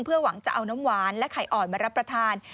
เพื่อหวังจะเอาน้ำหวานและไข่อ่อนมารับประทาน